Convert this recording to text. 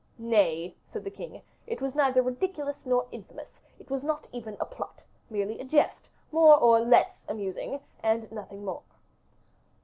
"Nay," said the king, "it was neither ridiculous nor infamous; it was not even a plot; merely a jest, more or less amusing, and nothing more."